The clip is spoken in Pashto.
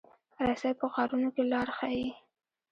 رسۍ په غارونو کې لار ښيي.